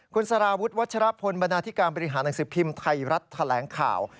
คุณสารวุฒิวัชรปนบทิการบริหาร๑สิทธิพิมพ์ไทรัตน์แทะแหลงข่าว